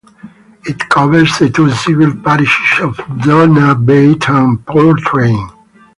It covers the two civil parishes of Donabate and Portrane.